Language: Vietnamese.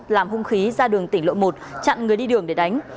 làm hung khí ra đường tỉnh lộ một chặn người đi đường để đánh